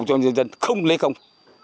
cho người dân không lấy công